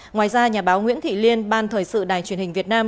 ngoài ra nhà báo nguyễn thị liên ban thời sự đài truyền hình việt nam